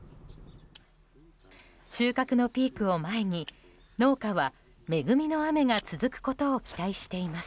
収穫のピークを前に農家は恵みの雨が続くことを期待しています。